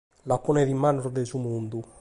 La ponet in manos de su mundu.